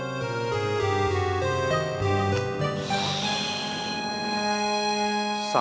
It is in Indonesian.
ketemu sama siapa